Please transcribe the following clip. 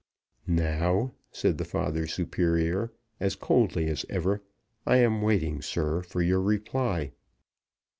"Now," said the father superior, as coldly as ever, "I am waiting, sir, for your reply."